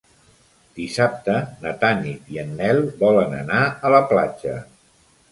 Dissabte na Tanit i en Nel volen anar a la platja.